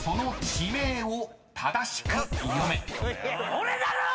俺だろ！